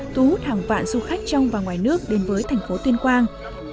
thu hút hàng vạn du khách trong và ngoài nước đến với thành phố tuyên quang